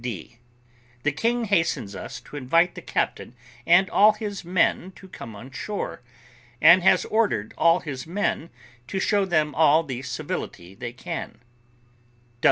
D. The king hastens us to invite the captain and all his men to come on shore, and has ordered all his men to show them all the civility they can.